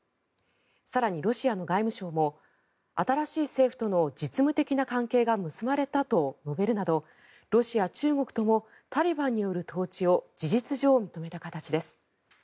更にロシアの外務省も新しい政府との実務的な関係が結ばれたと述べるなどロシア、中国ともタリバンによる統治を事実上、認めた形です。